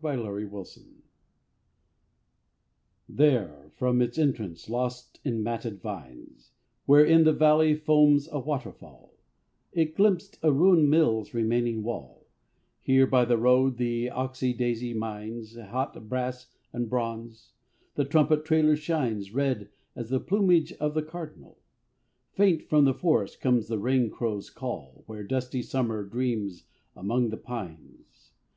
THE COVERED BRIDGE There, from its entrance, lost in matted vines, Where in the valley foams a water fall, Is glimpsed a ruined mill's remaining wall; Here, by the road, the oxeye daisy mines Hot brass and bronze; the trumpet trailer shines Red as the plumage of the cardinal. Faint from the forest comes the rain crow's call Where dusty Summer dreams among the pines.